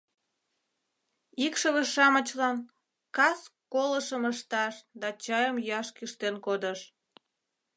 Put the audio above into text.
Икшыве-шамычлан кас колышым ышташ да чайым йӱаш кӱштен кодыш.